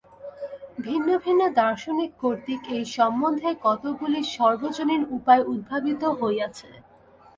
ভিন্ন ভিন্ন দার্শনিক কর্তৃক এই-সম্বন্ধে কতকগুলি সর্বজনীন উপায় উদ্ভাবিত হইয়াছে।